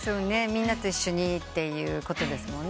みんなと一緒にということですもんね。